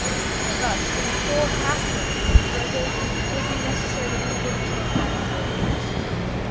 Thus in four half measure the breve would be necessary to indicate a tone having four beats.